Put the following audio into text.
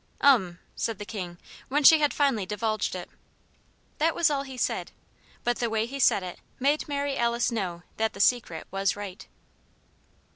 "Um," said the King, when she had finally divulged it. That was all he said; but the way he said it made Mary Alice know that the Secret was right.